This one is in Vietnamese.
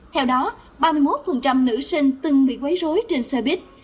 theo đó ba mươi một nữ sinh từng bị quấy rối trên xe buýt